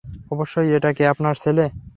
অবশ্যই এটা কি আপনার ছেলে?